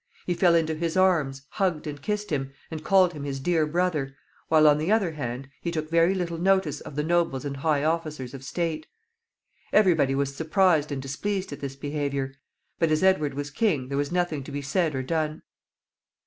He fell into his arms, hugged and kissed him, and called him his dear brother, while, on the other hand, he took very little notice of the nobles and high officers of state. Every body was surprised and displeased at this behavior, but as Edward was king there was nothing to be said or done.